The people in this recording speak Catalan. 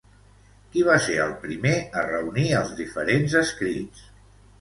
Qui va ser el primer a reunir els diferents escrits?